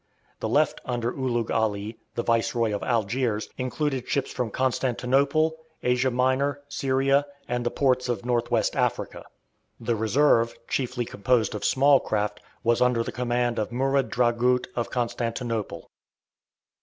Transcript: The left under Ulugh Ali, the Viceroy of Algiers, included ships from Constantinople, Asia Minor, Syria, and the ports of North west Africa. The reserve, chiefly composed of small craft, was under the command of Murad Dragut of Constantinople.